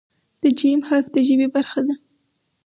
د "ج" حرف د ژبې برخه ده.